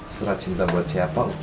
surat cinta buat siapa